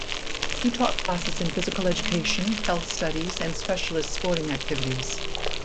He taught classes in physical education, health studies and specialist sporting activities.